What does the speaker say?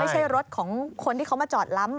ไม่ใช่รถของคนที่เขามาจอดล้ำ